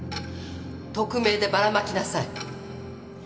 匿名でばらまきなさい。